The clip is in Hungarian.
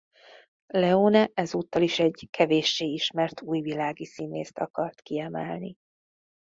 Leone ezúttal is egy kevéssé ismert újvilági színészt akart kiemelni.